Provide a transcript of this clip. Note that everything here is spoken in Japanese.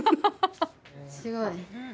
すごい。